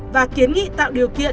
và kiến nghị tạo điều kiện